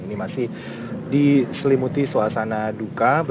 ini masih diselimuti suasana duka